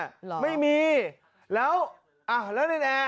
พระอาจารย์ออสบอกว่าอาการของคุณแป๋วผู้เสียหายคนนี้อาจจะเกิดจากหลายสิ่งประกอบกัน